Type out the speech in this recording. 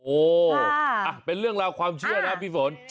โอ้เป็นเรื่องราวความเชื่อนะพี่ฝน